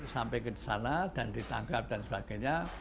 sampai ke sana dan ditangkap dan sebagainya